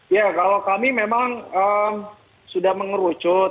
ya kalau kami memang sudah mengerucut